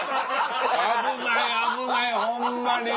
危ない危ないホンマに。